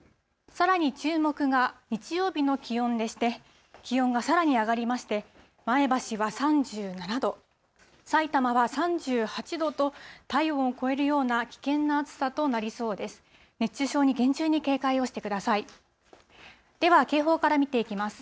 さらに注目が日曜日の気温でして、気温がさらに上がりまして、前橋は３７度、さいたまは３８度と、体温を超えるような危険な暑さとなりそうです。